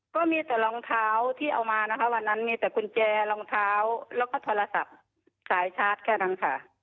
ก็มีแต่รองเท้าที่เอามานะคะวันนั้นมีแต่กุญแจรองเท้าแล้วก็โทรศัพท์สายชาร์จแค่นั้นค่ะ